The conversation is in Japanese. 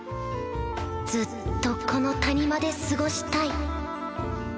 ずっとこの谷間で過ごしたい